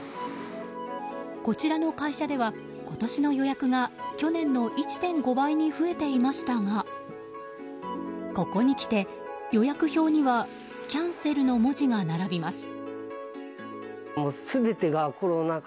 こちらの会社では今年の予約が去年の１．５倍に増えていましたがここにきて、予約票にはキャンセルの文字が並びます。